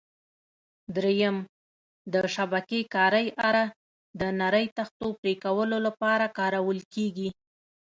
درېیم: د شبکې کارۍ اره: د نرۍ تختو پرېکولو لپاره کارول کېږي.